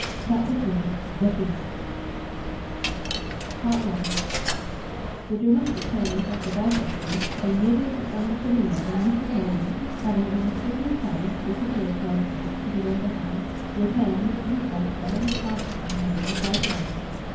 CHAPTER III THE FEAST I The dramatic moment of the birthday feast came nearly at the end of the meal when Mrs. Maldon, having in mysterious silence disappeared for a space to the room behind, returned with due pomp bearing a parcel in her dignified hands.